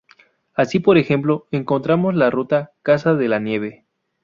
Así por ejemplo, encontramos la ruta "Casa de la Nieve".